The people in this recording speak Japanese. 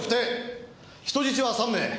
人質は３名。